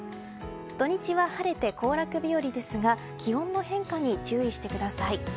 土日は晴れて行楽日和ですが気温の変化に注意してください。